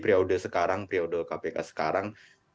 periode sekarang periode kpk sekarang